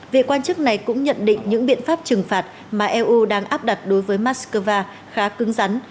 vị quan chức này cũng nhận định những biện pháp trừng phạt mà eu đang áp đặt đối với moscow khá cứng rắn